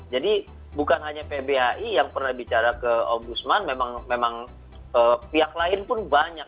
jadi bukan hanya pbhi yang pernah bicara ke ombudsman memang pihak lain pun banyak